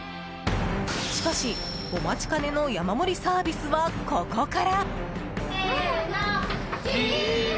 しかし、お待ちかねの山盛りサービスはここから！